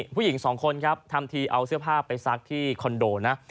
ผู้หญิงสองคนครับทำทีเอาเสื้อผ้าไปซักที่คอนโดนะ